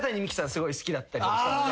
すごい好きだったりしたので。